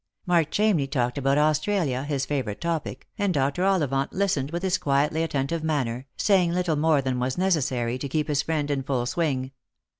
Mark Chamney talked about Australia, his favourite topic, and Dr. Ollivant listened with his quietly attentive manner, saying little more than was necessary to keep his friend in full swing.